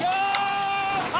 あ！！